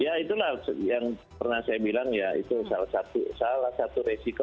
ya itulah yang pernah saya bilang ya itu salah satu resiko